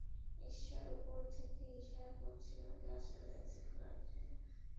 ঈশ্বর উপর থেকে ইশারা করছিলো, গ্যাস এজেন্সি খোলার জন্য।